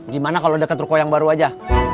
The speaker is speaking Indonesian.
gimana kalau dekat ruko yang baru aja